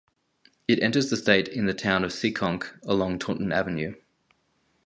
It enters the state in the town of Seekonk along Taunton Avenue.